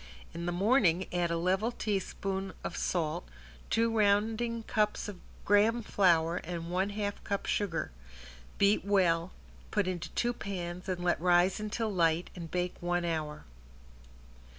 In the morning add a level teaspoon of salt, two rounding cups of graham flour and one half cup sugar. Beat well, put into two pans and let rise until light and bake one hour.